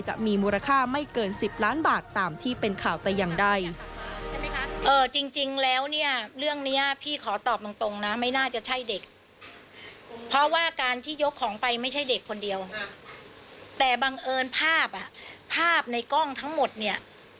จะมีมูลค่าไม่เกิน๑๐ล้านบาทตามที่เป็นข่าวแต่ยังใด